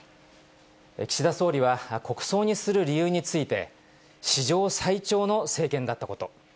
岸田総理は、国葬にする理由について、史上最長の政権だったこと。